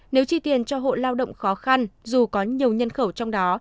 nếu chi tiền cho hộ lao động khó khăn dù có nhiều nhân khẩu trong đó